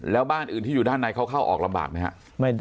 แล้วบ้านอื่นที่อยู่ด้านในเขาเข้าออกลำบากไหมครับ